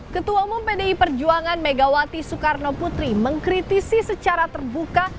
ketua umum pd perjuangan megawati soekarnoputri mengkritisi secara terbuka